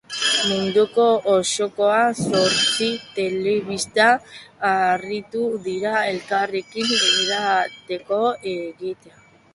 Mundu osoko zortzi teleskopio aritu dira elkarlanean erretratua egiteko.